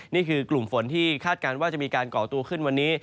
นี่คือกลุ่มฝนที่คาดการณ์ว่าจะมีการก่อตัวขึ้นวันนี้